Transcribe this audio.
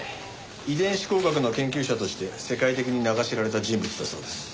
遺伝子工学の研究者として世界的に名が知られた人物だそうです。